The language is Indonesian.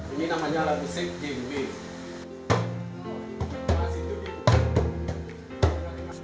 ini namanya lagu sik gim wih